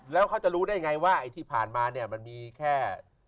แล้วเขาจะรู้ได้ไงว่าไอ้ที่ผ่านมาเนี่ยมันมีแค่